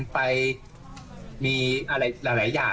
ไปมีอะไรเหล่ายา